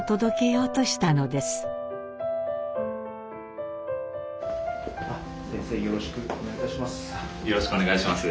よろしくお願いします。